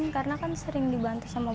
karena saya sering dibantu oleh bapak sarono